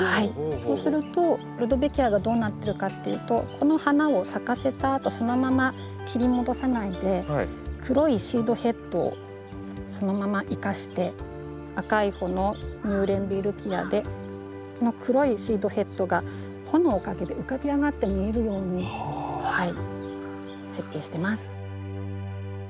そうするとルドベキアがどうなってるかっていうとこの花を咲かせたあとそのまま切り戻さないで黒いシードヘッドをそのまま生かして赤い穂のミューレンベルギアでこの黒いシードヘッドが穂のおかげで浮かび上がって見えるように設計してます。